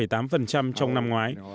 trong năm ngoái